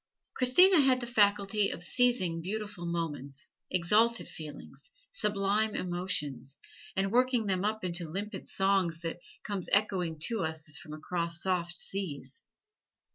Christina had the faculty of seizing beautiful moments, exalted feelings, sublime emotions, and working them up into limpid song that comes echoing to us as from across soft seas.